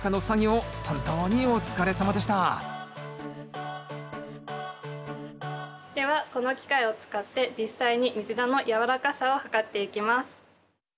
本当にお疲れさまでしたではこの機械を使って実際にミズナのやわらかさを測っていきます。